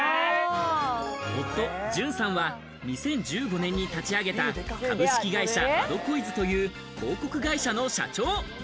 夫・淳さんは２０１５年に立ち上げた、株式会社アドコイズという広告会社の社長。